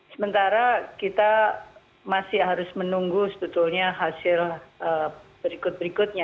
sementara kita masih harus menunggu sebetulnya hasil berikut berikutnya